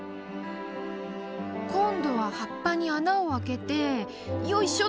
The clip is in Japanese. こんどははっぱにあなをあけてよいしょ！